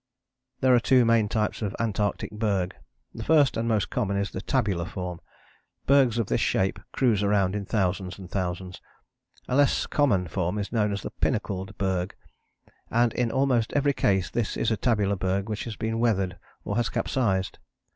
There are two main types of Antarctic berg. The first and most common is the tabular form. Bergs of this shape cruise about in thousands and thousands. A less common form is known as the pinnacled berg, and in almost every case this is a tabular berg which has been weathered or has capsized.